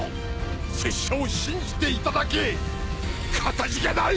拙者を信じていただきかたじけない！